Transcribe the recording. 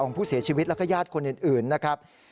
ผู้เสียชีวิตแล้วก็ญาติคนอื่นนะครับ